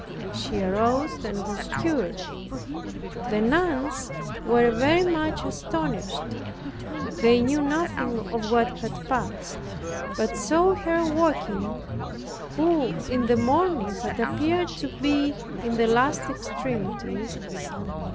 She arose and was cured. The nuns were very much astonished. They knew nothing of what had passed, but saw her walking, who in the morning had appeared to be in the last extremity.